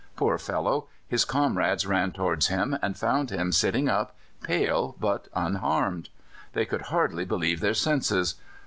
Poor fellow! his comrades ran towards him, and found him sitting up, pale, but unharmed. They could hardly believe their senses.